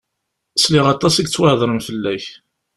Sliɣ aṭas i yettwahedren fell-ak.